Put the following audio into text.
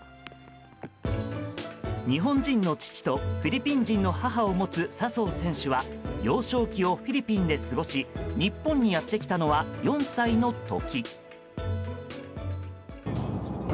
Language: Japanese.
日本人の父とフィリピン人の母を持つ笹生選手は幼少期をフィリピンで過ごし日本にやってきたのは４歳の時。